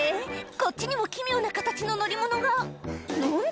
こっちにも奇妙な形の乗り物が何だ？